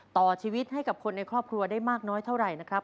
ต่อชีวิตให้กับคนในครอบครัวได้มากน้อยเท่าไหร่นะครับ